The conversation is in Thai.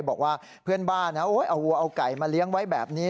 บอกว่าเพื่อนบ้านเอาวัวเอาไก่มาเลี้ยงไว้แบบนี้